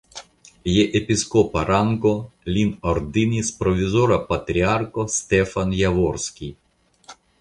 Je episkopa rango lin ordinis provizora patriarko Stefan Javorskij.